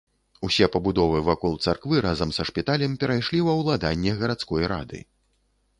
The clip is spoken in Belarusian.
Усе пабудовы вакол царквы разам са шпіталем перайшлі ва ўладанне гарадской рады.